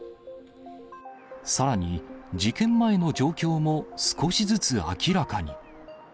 さらに、事件前の状況も少しずつ明らかに。